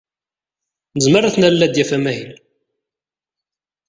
Nezmer ad t-nalel ad d-yaf amahil.